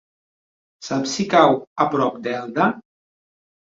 Saps si cau a prop d'Elda?